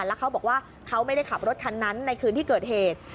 แล้วเขาบอกว่าเขาไม่ได้ขับรถคันนั้นในคืนที่เกิดเหตุ